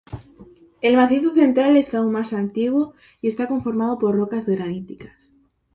El macizo central es aún más antiguo y está conformado por rocas graníticas.